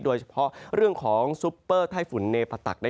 โดยเฉพาะเรื่องของซุปเปอร์ไทยฝุ่นเนปะตัก